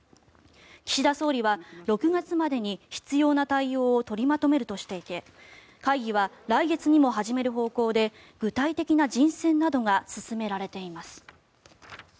岸田総理は６月までに必要な対応を取りまとめるとしていて会議は来月にも始める方向で具体的な人選などが進められています。